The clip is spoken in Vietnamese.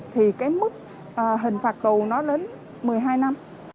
thì cái mức hình phạt tù nó đến một mươi hai năm